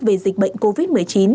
về dịch bệnh covid một mươi chín